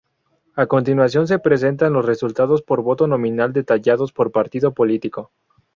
A continuación se presentan los resultados por voto nominal detallados por partido político.